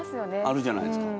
あるじゃないですか。